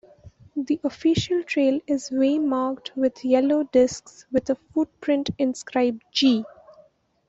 The official trail is waymarked with yellow discs with a footprint inscribed 'G'.